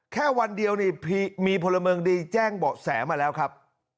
แค่วันเดียวนี่มีพลเมืองดีแจ้งเบาะแสมาแล้วครับ